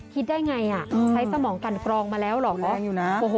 คิดได้ไงใช้สมองกันกรองมาแล้วเหรอ